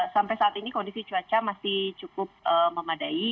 sampai saat ini kondisi cuaca masih cukup memadai